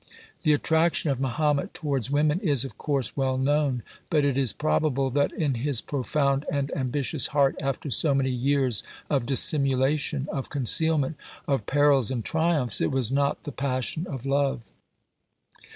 The attraction of Mahomet towards women is, of course, well known, but it is probable that, in his profound and am bitious heart, after so many years of dissimulation, of concealment, of perils and triumphs, it was not the passion of love.